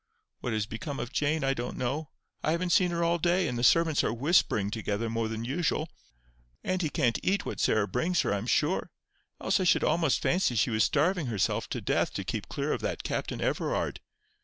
What has become of Jane I don't know. I haven't seen her all day, and the servants are whispering together more than usual. Auntie can't eat what Sarah brings her, I am sure; else I should almost fancy she was starving herself to death to keep clear of that Captain Everard."